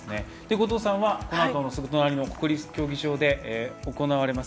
後藤さんはこのあと国立競技場で行われます